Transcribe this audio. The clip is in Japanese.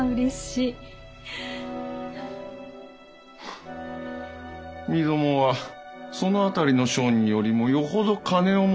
身共はその辺りの商人よりもよほど金を持っておるゆえにのう。